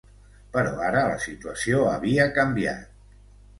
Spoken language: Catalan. Però ara la situació havia canviat.